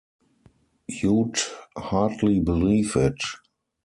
You'd hardly believe it.